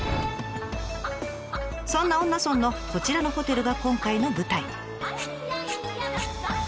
そんな恩納村のこちらのホテルが今回の舞台。